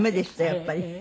やっぱり。